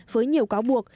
với nhiều cáo buộc